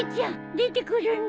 出てくるんだ。